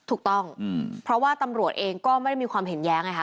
ถูกต้องเพราะว่าตำรวจเองก็ไม่ได้มีความเห็นแย้งไงค